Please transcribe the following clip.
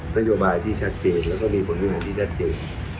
โธโยบาที่ชัดเจนแล้วก็มีคนที่มาที่ชัดเจน